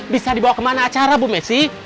bisa dibawa kemana acara bu messi